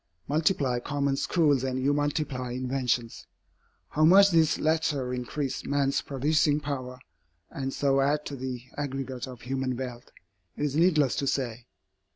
Multiply common schools and you multiply inventions. How much these latter increase man's producing power, and so add to the aggregate of human wealth, it is needless to say.